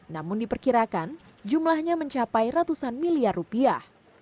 namun diperkirakan jumlahnya mencapai ratusan miliar rupiah